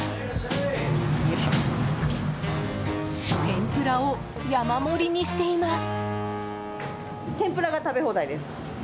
天ぷらを山盛りにしています。